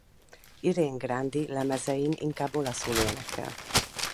Irene Grandi lemezein inkább olaszul énekel.